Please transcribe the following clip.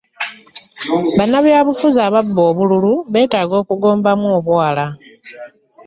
Bannabyabufuzi ababba obululu beetaaga kugombamu bwala.